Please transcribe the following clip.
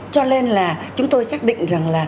cho nên là chúng tôi xác định rằng là